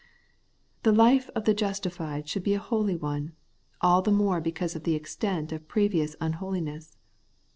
The life of the justified should be a holy one, all the more because of the extent of previous unholi ness.